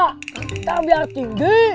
kita biar tinggi